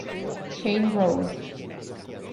Shane Rose